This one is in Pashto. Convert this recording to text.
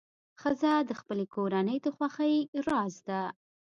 ښځه د خپلې کورنۍ د خوښۍ راز ده.